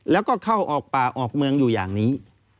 แล้วก็เข้าออกป่าออกเมืองอยู่อย่างนี้